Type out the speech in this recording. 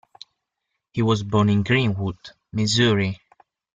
He was born in Greenwood, Missouri.